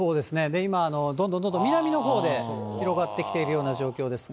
今、どんどんどんどん南のほうで広がってきているような状況ですね。